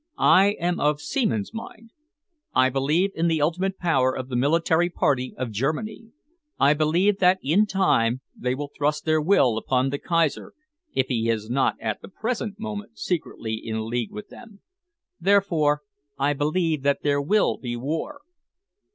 I am of Seaman's mind. I believe in the ultimate power of the military party of Germany. I believe that in time they will thrust their will upon the Kaiser, if he is not at the present moment secretly in league with them. Therefore, I believe that there will be war."